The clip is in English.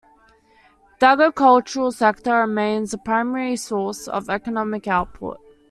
The agricultural sector remains a primary source of economic output.